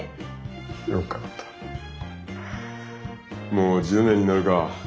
もう１０年になるか。